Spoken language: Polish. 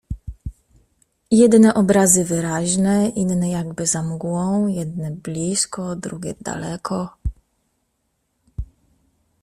Jedne obrazy wyraźne, inne jakby za mgłą, jedne blisko, drugie daleko.